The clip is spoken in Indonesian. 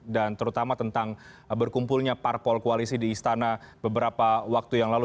dan terutama tentang berkumpulnya parpol koalisi di istana beberapa waktu yang lalu